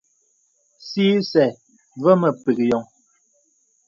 Sì isɛ̂ və mə pək yɔŋ.